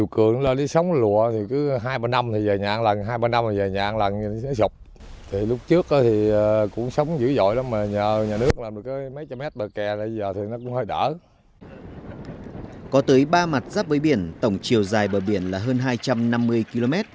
có tới ba mặt giáp với biển tổng chiều dài bờ biển là hơn hai trăm năm mươi km